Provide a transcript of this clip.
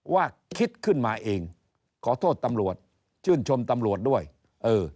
ว่าคิดขึ้นมาเองขอโทษตำรวจชื่นชมตำรวจด้วยเออ